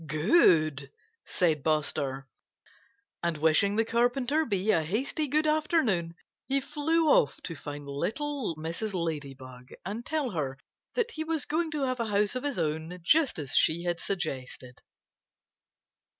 "Good!" said Buster. And wishing the Carpenter Bee a hasty good afternoon, he flew off to find little Mrs. Ladybug and tell her that he was going to have a house of his own, just as she had suggested.